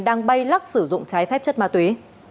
đang bay lắc sử dụng trái phép chất ma túy